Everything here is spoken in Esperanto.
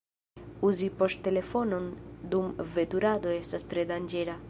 Uzi poŝtelefonon dum veturado estas tre danĝera.